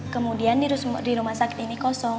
kemudian di rumah sakit ini kosong